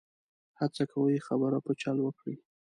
هڅه کوي خبره په چل وکړي.